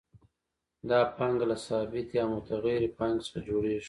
دا پانګه له ثابتې او متغیرې پانګې څخه جوړېږي